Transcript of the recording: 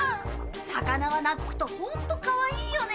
魚は懐くとホントかわいいよね。